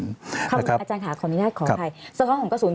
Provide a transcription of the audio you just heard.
คำนี้อาจารย์ค่ะคำนี้น่าของใคร